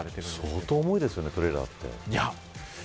相当重いですよねトレーラーって。